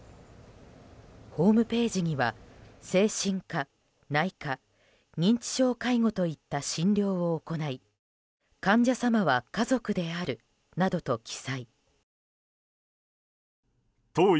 ホームページには精神科、内科認知症介護といった診療を行い患者様は家族であるなどと記載。